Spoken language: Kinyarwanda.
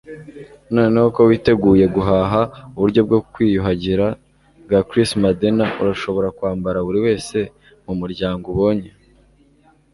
Noneho ko witeguye guhaha uburyo bwo kwiyuhagira bwa Chris Madden, urashobora kwambara buriwese mumuryango ubonye